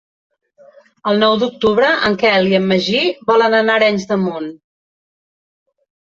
El nou d'octubre en Quel i en Magí volen anar a Arenys de Munt.